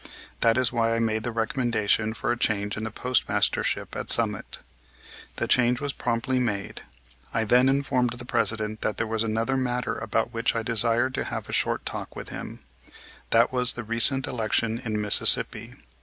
That is why I made the recommendation for a change in the postmastership at Summit. The change was promptly made. I then informed the President that there was another matter about which I desired to have a short talk with him, that was the recent election in Mississippi.